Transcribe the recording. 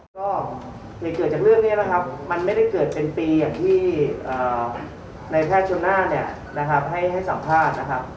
ก็เหตุเกิดจากเรื่องนี้นะครับมันไม่ได้เกิดเป็นปีอย่างที่ในแพทย์ชนน่านเนี่ยนะครับให้สัมภาษณ์นะครับ